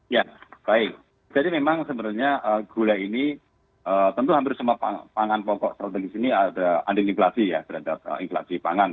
ya baik jadi memang sebenarnya gula ini tentu hampir semua pangan pokok terdiri di sini ada angin inflasi ya berdasarkan inflasi pangan